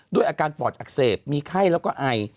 ด้วยอาการปอดอักเสบมีไข้แล้วก็ไอ